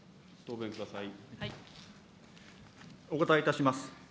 お答えいたします。